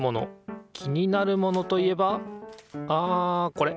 気になるモノといえばあこれ。